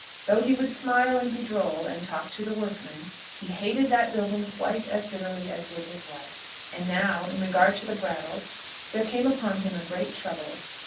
Though he would smile and be droll, and talk to the workmen, he hated that building quite as bitterly as did his wife. And now, in regard to the Brattles, there came upon him a great trouble.